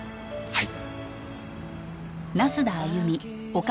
はい！